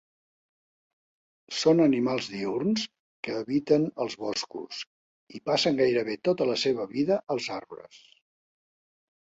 Són animals diürns que habiten als boscos, i passen gairebé tota la seva vida als arbres.